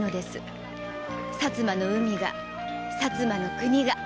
薩摩の海が薩摩の国が。